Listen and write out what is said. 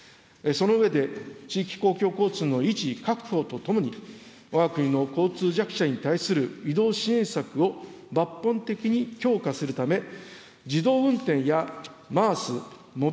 その上で、地域公共交通の維持・確保とともに、わが国の交通弱者に対する移動支援策を抜本的に強化するため、